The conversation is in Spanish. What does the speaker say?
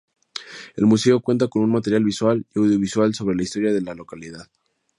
El museo cuenta con material visual y audiovisual sobre la historia de la localidad.